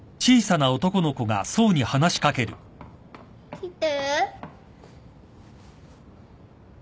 ・来て。